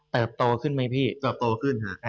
โตขึ้นไหมพี่เติบโตขึ้นค่ะ